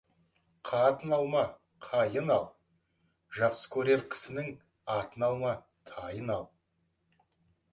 Қатын алма, қайын ал, жақсы көрер кісінің атын алма, тайын ал.